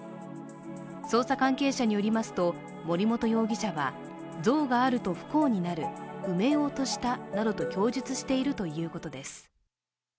捜査関係者によりますと森本容疑者は像があると不幸になると、埋めようとしたなどと供述しているということです。